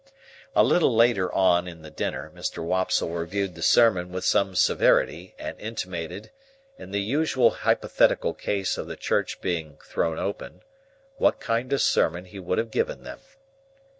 A little later on in the dinner, Mr. Wopsle reviewed the sermon with some severity, and intimated—in the usual hypothetical case of the Church being "thrown open"—what kind of sermon he would have given them.